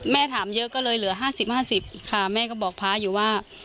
ถามเยอะก็เลยเหลือ๕๐๕๐ค่ะแม่ก็บอกพระอยู่ว่า